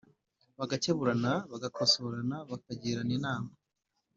bagakeburana: bagakosorana, bakagirana inama.